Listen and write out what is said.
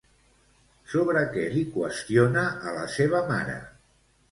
Sobre què li qüestiona a la seva mare?